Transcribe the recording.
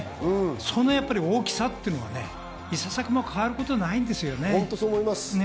その大きさっていうのは、いささかも変わることないんですよね。